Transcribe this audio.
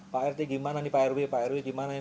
pak rt gimana nih pak rw